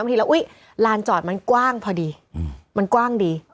บางทีแล้วอุ๊ยร้านจอดมันกว้างพอดีอืมมันกว้างดีอ๋อ